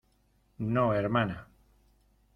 no, hermana.